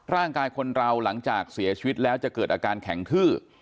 ร่างกายคนเราหลังจากเสียชีวิตแล้วจะเกิดอาการแข็งทื้อ